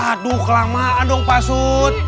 aduh kelamaan dong pak sud